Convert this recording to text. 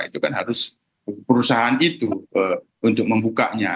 itu kan harus perusahaan itu untuk membukanya